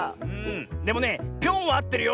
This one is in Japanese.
でもね「ぴょん」はあってるよ。